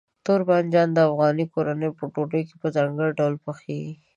تور بانجان د افغاني کورنیو په ډوډۍ کې په ځانګړي ډول پخېږي.